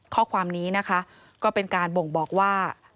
ข้อความนี้นะคะก็เป็นการบ่งบอกว่า